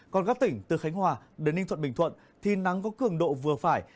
còn các tỉnh từ khánh hòa đến ninh thuận bình thuận thì nắng có cường độ vừa phải